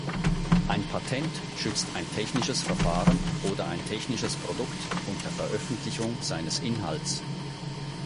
Ein Patent schützt ein technisches Verfahren oder ein technisches Produkt unter Veröffentlichung seines Inhalts.